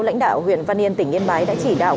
lãnh đạo huyện văn yên tỉnh yên bái đã chỉ đạo